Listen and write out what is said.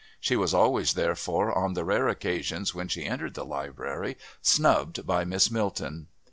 She was always, therefore, on the rare occasions when she entered the Library, snubbed by Miss Milton.